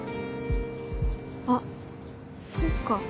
あっそっか。